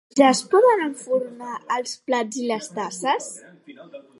Ja es poden enfornar els plats i les tasses.